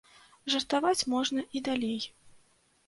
Жартаваць можна і далей.